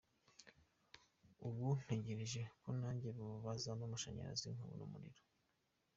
Ubu ntegereje ko nanjye bazampa amashanyarazi nkabona urumuri ».